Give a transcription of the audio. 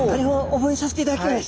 覚えさせていただきます。